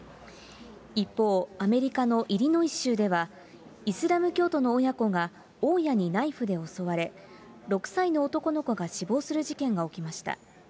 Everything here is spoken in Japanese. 一方、アメリカのイリノイ州では、イスラム教徒の親子が大家にナイフで襲われ、６歳の男の子が死亡する事件が起きました。